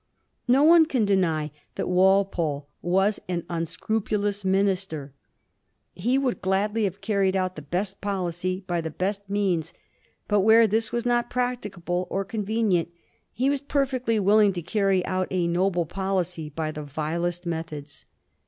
No one can deny that Walpole was an unscrupti lous minister. He would gladly have carried out the best policy by the best means ; but where this was not practicable or convenient he was perfectly willing to carry out a noble policy by the vilest methods.